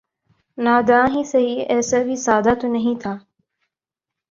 ناداں ہی سہی ایسا بھی سادہ تو نہیں تھا